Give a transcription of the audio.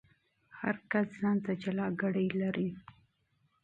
هر غړی جلا ګړۍ لري.